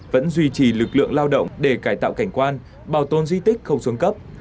vẫn duy trì lực lượng lao động để cải tạo cảnh quan bảo tồn di tích không xuống cấp